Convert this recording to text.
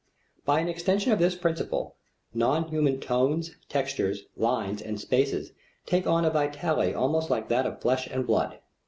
By an extension of this principle, non human tones, textures, lines, and spaces take on a vitality almost like that of flesh and blood.